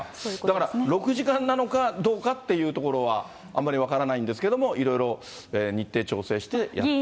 だから６時間なのかどうかというところは、あんまり分からないんですけれども、いろいろ日程調整してやったと。